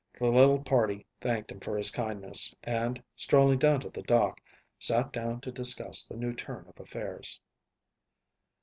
The little party thanked him for his kindness and, strolling down to the dock, sat down to discuss the new turn of affairs.